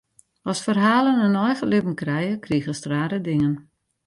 As ferhalen in eigen libben krije, krigest rare dingen.